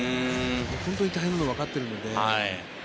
本当に大変なのはわかっているので。